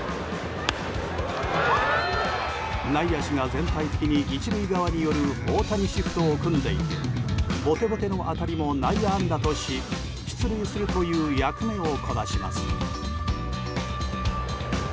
内野手が全体的に１塁側に寄る大谷シフトを組んでいてボテボテの当たりも内野安打とし出塁するという役目をこなします。